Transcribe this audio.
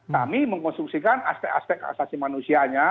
kami mengkonstruksikan aspek aspek asasi manusianya